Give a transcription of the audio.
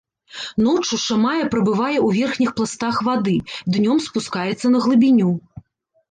Ноччу шамая прабывае ў верхніх пластах вады, днём спускаецца на глыбіню.